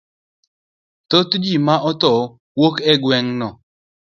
Thoth ji ma tho wuok e gweng' no.